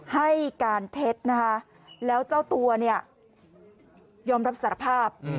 ให้การเท็จนะคะแล้วเจ้าตัวเนี่ยยอมรับสารภาพ